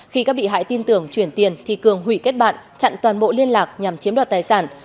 khi các bị hại tin tưởng chuyển tiền thì cường hủy kết bạn chặn toàn bộ liên lạc nhằm chiếm đoạt tài sản